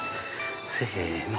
せの！